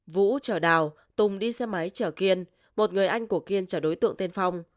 vũ chở đào tùng đi xe máy chở kiên một người anh của kiên chở đối tượng tên phong